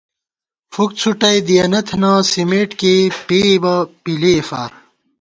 فُک څھُٹَئی دِیَنہ تھنہ سِمېٹ کېئی پېئیبہ بِلِئے فار